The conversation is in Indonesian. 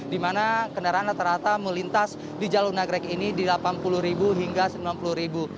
di mana kendaraan rata rata melintas di jalur nagrek ini di delapan puluh ribu hingga sembilan puluh